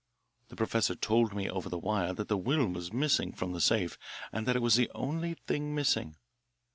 The professor told me over the wire that the will was missing from the safe, and that it was the only thing missing.